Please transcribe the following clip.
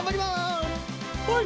はい！